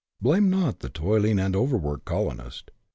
Blame not the toiling and overworked colonist.